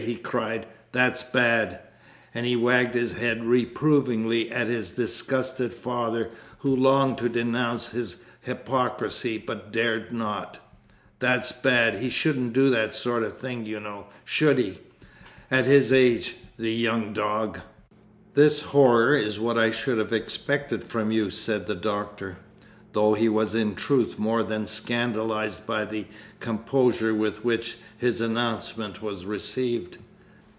he cried, "that's bad" (and he wagged his head reprovingly at his disgusted father, who longed to denounce his hypocrisy, but dared not); "that's bad ... he shouldn't do that sort of thing you know, should he? At his age too ... the young dog!" "This horror is what I should have expected from you," said the Doctor (though he was in truth more than scandalised by the composure with which his announcement was received).